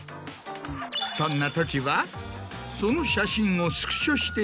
そんなときはその。